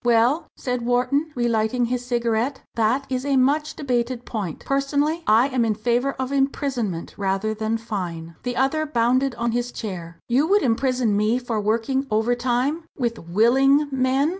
"Well," said Wharton, relighting his cigarette, "that is a much debated point. Personally, I am in favour of imprisonment rather than fine." The other bounded on his chair. "You would imprison me for working overtime with _willing men!